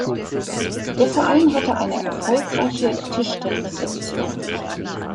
Der Verein hatte eine erfolgreiche Tischtennis-Sektion.